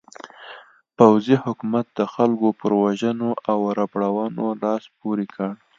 پوځي حکومت د خلکو پر وژنو او ربړونو لاس پورې کړ.